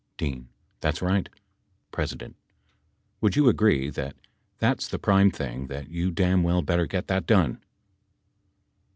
D. That's right. P. Would you agree that that's the prime thing that you damn well better get that done